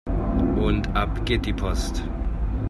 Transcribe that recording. Und ab geht die Post